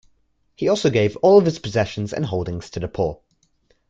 He also gave all of his possessions and holdings to the poor.